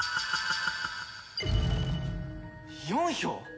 ４票！？